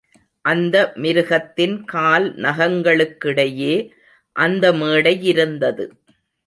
அந்த மிருகத்தின் கால் நகங்களுக்கிடையே அந்த மேடையிருந்தது.